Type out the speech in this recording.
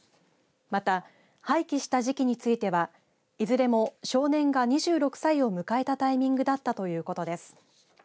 また、廃棄した時期についてはいずれも少年が２６歳を迎えたタイミングだったということです。